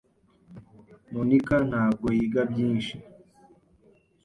Monica ntabwo yiga byinshi.